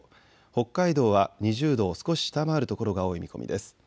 北海道は２０度を少し下回る所が多い見込みです。